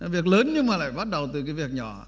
việc lớn nhưng mà lại bắt đầu từ cái việc nhỏ